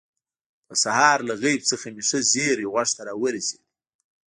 په سهار له غیب څخه مې ښه زیری غوږ ته راورسېد.